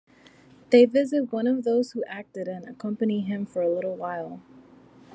They visit one of those who acted, and accompany him for a little while.